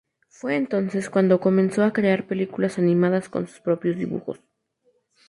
Fue entonces cuando comenzó a crear películas animadas con sus propios dibujos.